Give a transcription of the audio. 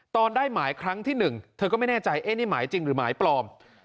ได้หมายครั้งที่๑เธอก็ไม่แน่ใจนี่หมายจริงหรือหมายปลอม